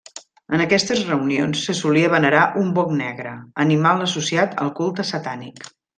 En aquestes reunions se solia venerar un boc negre, animal associat al culte satànic.